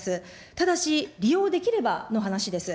ただし、利用できればの話です。